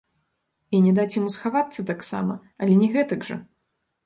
І не даць яму схавацца таксама, але не гэтак жа!